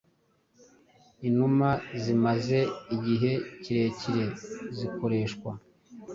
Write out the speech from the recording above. Inuma zimaze igihe kirekire zikoreshwa